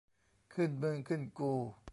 ขึ้นมึงขึ้นกู